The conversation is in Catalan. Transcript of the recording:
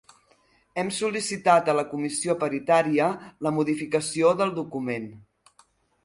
Hem sol·licitat a la comissió paritària la modificació del document.